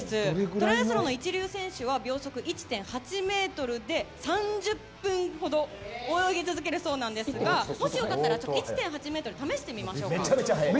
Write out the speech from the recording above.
トライアスロンの一流選手は秒速１．８ｍで３０分ほど泳ぎ続けるそうなんですがもし良かったら１．８ｍ試してみましょうか。